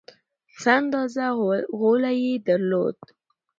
څه اندازه غولی یې درلود.